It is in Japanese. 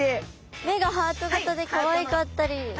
目がハート型でかわいかったり。